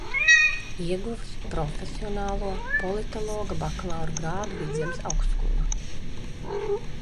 Ieguvis profesionālo politologa bakalaura grādu Vidzemes Augstskolā.